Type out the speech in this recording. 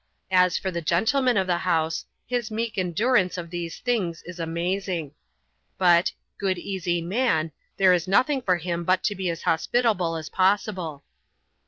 As for the gentleman of the house, his meek endurance of these things is amazing. But, " good easy man," there is nothing for him but to be as hos pitable as possible.